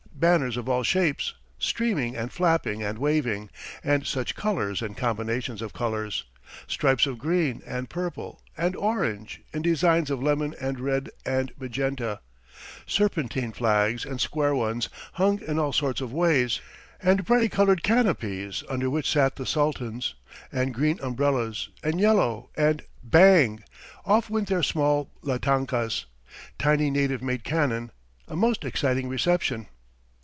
Banners of all shapes, streaming and flapping and waving, and such colours and combinations of colours stripes of green and purple and orange in designs of lemon and red and magenta, serpentine flags and square ones, hung in all sorts of ways, and brightly coloured canopies under which sat the sultans, and green umbrellas and yellow and bang! off went their small lantankas, tiny native made cannon a most exciting reception!